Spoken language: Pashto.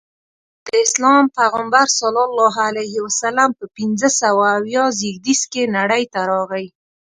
د اسلام پیغمبر ص په پنځه سوه اویا زیږدیز کې نړۍ ته راغی.